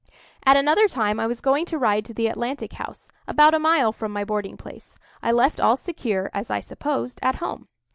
At another time I was going to ride to the Atlantic House, about a mile from my boarding place. I left all secure, as I supposed, at home.